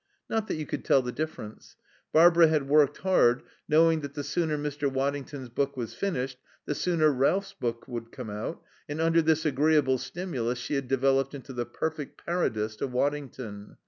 Not that you could tell the difference. Barbara had worked hard, knowing that the sooner Mr. Waddington's book was finished the sooner Ralph's book would come out; and under this agreeable stimulus she had developed into the perfect parodist of Waddington.